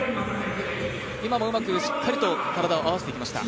今もうまく、しっかりと体を合わせていきました。